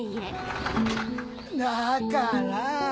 だから。